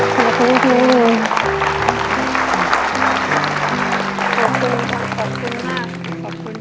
ขอบคุณค่ะขอบคุณมาก